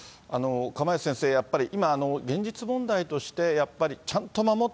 釜萢先生、今やっぱり、現実問題として、やっぱりちゃんと守っ